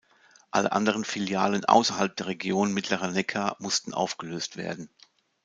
Alle anderen Filialen außerhalb der Region Mittlerer Neckar mussten aufgelöst werden.